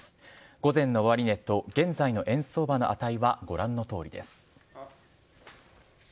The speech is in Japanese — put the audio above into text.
午前の終値と、現在の円相場の値はご覧のとおりです。